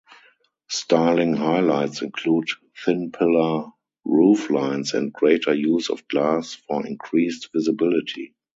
Styling highlights include thin-pillar rooflines and greater use of glass for increased visibility.